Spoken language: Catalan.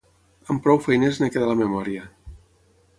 Amb prou feines en queda la memòria.